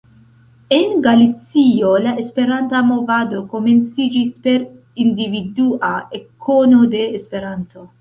En Galicio la Esperanta movado komenciĝis per individua ekkono de Esperanto.